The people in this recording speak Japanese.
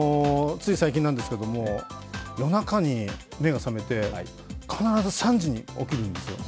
つい最近なんですけれども、夜中に目が覚めて、必ず３時に起きるんですよ。